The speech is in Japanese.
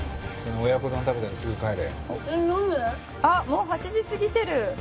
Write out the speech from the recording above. もう８時過ぎてる。